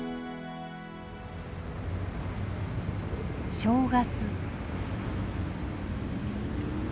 正月。